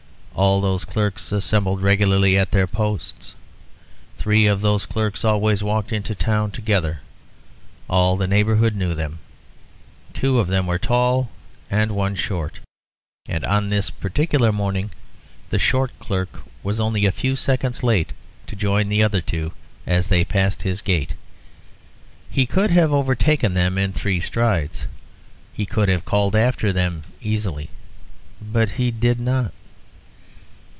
All those clerks assembled regularly at their posts. Three of those clerks always walked into town together. All the neighbourhood knew them: two of them were tall and one short. And on this particular morning the short clerk was only a few seconds late to join the other two as they passed his gate: he could have overtaken them in three strides; he could have called after them easily. But he did not.